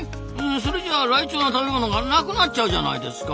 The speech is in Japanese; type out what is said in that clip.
それじゃライチョウの食べ物がなくなっちゃうじゃないですか。